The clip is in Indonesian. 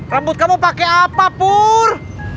rambut kamu pake apa pur